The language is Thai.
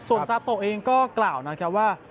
ส่วนซาโตะเองก็กล่าวนะครับว่า